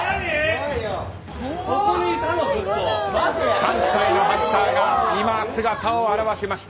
３体のハンターが今、姿を現しました。